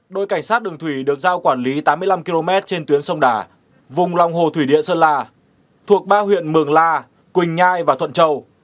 đội cảnh sát đường thủy được giao quản lý tám mươi năm km trên tuyến sông đà vùng lòng hồ thủy điện sơn la thuộc ba huyện mường la quỳnh nhai và thuận châu